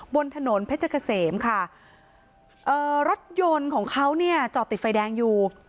บนถนนเพชรเกษมค่ะเอ่อรถยนต์ของเขาเนี่ยจอดติดไฟแดงอยู่